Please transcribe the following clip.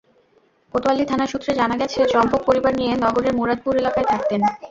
কোতোয়ালি থানা সূত্রে জানা গেছে, চম্পক পরিবার নিয়ে নগরের মুরাদপুর এলাকায় থাকতেন।